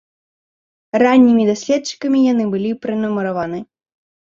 Раннімі даследчыкамі яны былі пранумараваны.